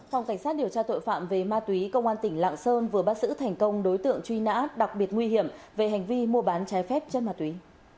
phòng cảnh sát điều tra tội phạm về ma túy công an tỉnh lạng sơn vừa bắt giữ thành công đối tượng truy nã đặc biệt nguy hiểm về hành vi mua bán trái phép chất ma túy